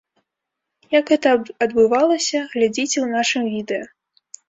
Як гэта адбывалася, глядзіце ў нашым відэа.